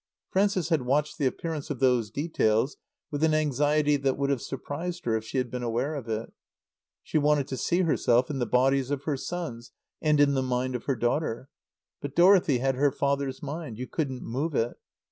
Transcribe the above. Frances had watched the appearance of those details with an anxiety that would have surprised her if she had been aware of it. She wanted to see herself in the bodies of her sons and in the mind of her daughter. But Dorothy had her father's mind. You couldn't move it.